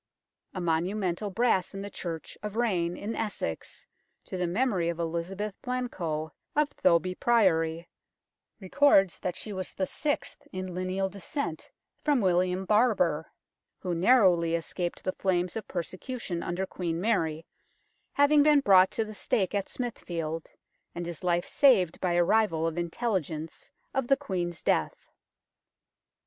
A monumental brass in the church of Rayne, in Essex, to the memory of Elizabeth Blencowe of Thoby Priory, records that she was the sixth in lineal descent from William Barber, who narrowly escaped the flames of persecution under Queen Mary, having been brought to the stake at Smithfield, and his life saved by arrival of intelligence of the Queen's death.